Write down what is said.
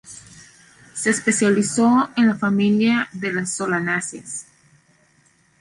Se especializó en la familia de las solanáceas.